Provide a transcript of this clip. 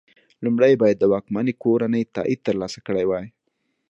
لومړی یې باید د واکمنې کورنۍ تایید ترلاسه کړی وای.